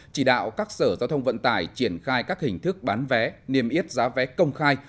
chỉ đạo các sở giao thông vận tải triển khai các hình thức bán vé niêm yết giá vé công khai